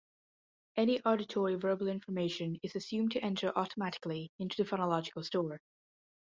Any auditory verbal information is assumed to enter automatically into the phonological store.